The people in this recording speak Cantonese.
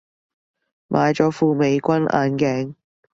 買咗副美軍眼鏡